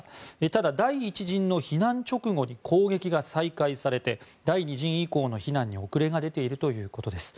ただ、第１陣の避難直後に攻撃が再開されて第２陣以降の避難に遅れが出ているということです。